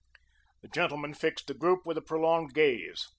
The gentleman fixed the group with a prolonged gaze.